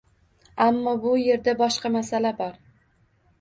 Ammo bu erda boshqa masala bor